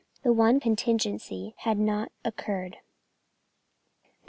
The one contingency had not occurred.